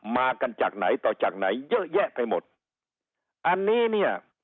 มากันจากไหนต่อจากไหนเยอะแยะไปหมดอันนี้เนี่ย